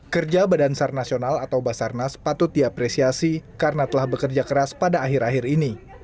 kerja badan sar nasional atau basarnas patut diapresiasi karena telah bekerja keras pada akhir akhir ini